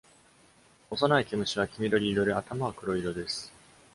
幼い毛虫は、黄緑色で、頭は黒色です。